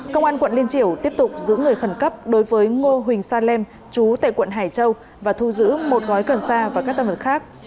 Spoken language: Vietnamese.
công an quận liên triều tiếp tục giữ người khẩn cấp đối với ngô huỳnh sa lêm chú tệ quận hải châu và thu giữ một gói cần xa và các tam vật khác